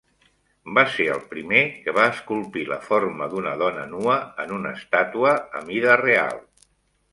Va ser el primer que va esculpir la forma d'una dona nua en una estàtua a mida real.